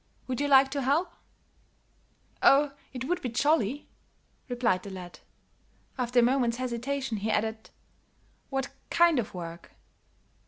Would you like to help?" "Oh, it would be jolly," replied the lad. After a moment's hesitation, he added: "What kind of work?